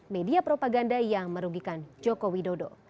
media propaganda yang merugikan jokowi dodo